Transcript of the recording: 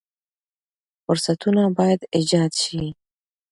فرصتونه باید ایجاد شي.